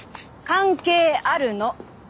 関係あるの。